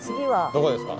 どこですか？